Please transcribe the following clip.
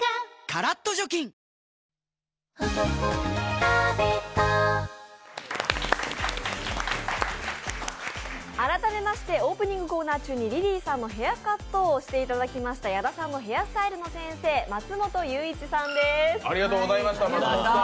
カラッと除菌改めましてオープニングコーナー中にリリーさんのヘアカットをしていただきました矢田さんのヘアスタイルの先生、松本祐一さんです。